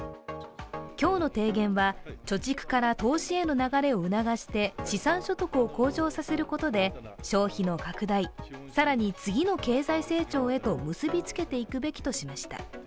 今日の提言は、貯蓄から投資への流れを促して資産所得を向上させることで消費の拡大、更に次の経済成長へと結びつけていくべきとしました。